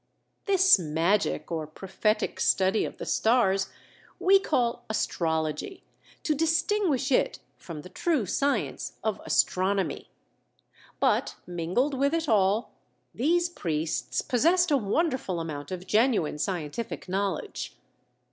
This magic, or prophetic study of the stars, we call astrology to distinguish it from the true science of astronomy. But mingled with it all, these priests possessed a wonderful amount of genuine scientific knowledge.